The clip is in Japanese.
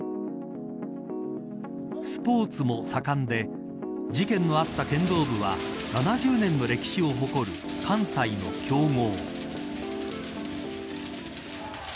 スポーツも盛んで事件のあった剣道部は７０年の歴史を誇る関西の強豪。